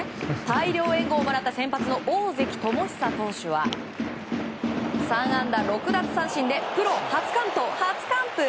大量援護をもらった先発の大関友久投手は３安打６奪三振でプロ初完投初完封。